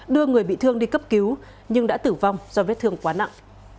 đưa người bị thương đi cấp cứu nhưng đã tử vong do vết thương quá nặng